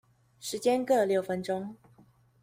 時間各六分鐘